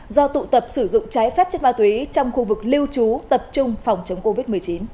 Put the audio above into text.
do tụ tập sử dụng trái phép chất ma túy trong khu vực lưu trú tập trung phòng chống covid một mươi chín